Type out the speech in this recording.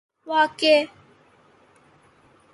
واقعی